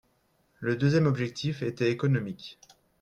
Le deuxième objectif était économique.